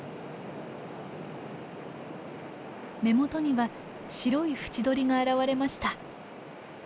目元には白い縁取りが現れました。